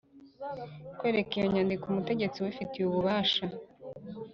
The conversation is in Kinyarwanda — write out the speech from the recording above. kwereka iyo nyandiko umutegetsi ubifitiye ububasha